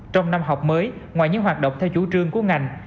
trong năm học mới ngoài những hoạt động theo chủ trương của ngành